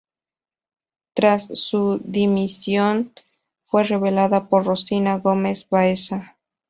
Tras su dimisión, fue relevada por Rosina Gómez-Baeza.